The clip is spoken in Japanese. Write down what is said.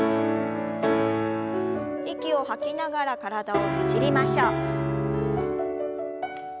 息を吐きながら体をねじりましょう。